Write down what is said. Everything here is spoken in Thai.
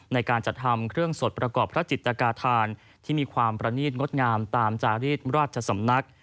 ในการจัดทำเครื่องสดประกอบพระจิตกาธานที่มีความประนีตงดงามตามจารีสราชสำนัก